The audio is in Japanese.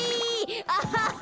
アハハ！